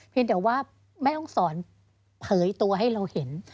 แต่ว่าแม่ห้องสอนเผยตัวให้เราเห็น